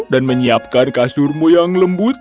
dan menyiapkan kasurmu yang lembut